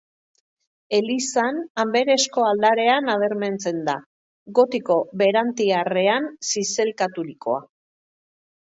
Elizan, Anberesko aldarea nabarmentzen da, gotiko berantiarrean zizelkaturikoa.